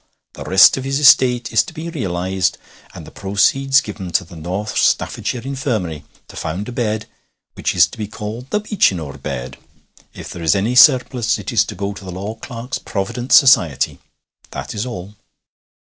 The rest of his estate is to be realized, and the proceeds given to the North Staffordshire Infirmary, to found a bed, which is to be called the Beechinor bed. If there is any surplus, it is to go to the Law Clerks' Provident Society. That is all.'